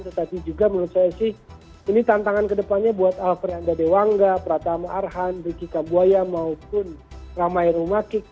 tetapi juga menurut saya sih ini tantangan kedepannya buat alfreanda dewangga pratama arhan ricky kambuaya maupun ramaero makik